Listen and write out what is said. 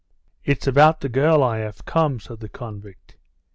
"It's about the girl I have come," said the convict.